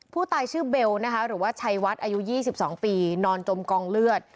ผู้ตายชื่อเบลนะคะหรือว่าชัยวัดอายุ๒๒ปีนอนจมกองเลือด